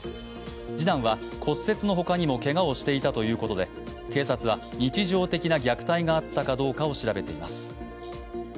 次男は骨折のほかにもけがをしていたということで、警察は日常的な虐待があったかどうかを調べています。